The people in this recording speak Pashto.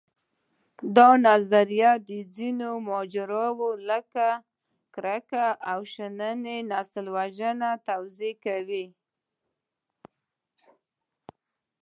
دا نظریه د ځینو ماجراوو، لکه کرکې او شونې نسلوژنې توضیح کوي.